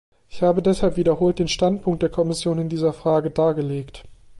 Ich habe deshalb wiederholt den Standpunkt der Kommission in dieser Frage dargelegt.